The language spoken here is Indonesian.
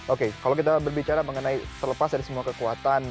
oke kalau kita berbicara mengenai terlepas dari semua kekuatan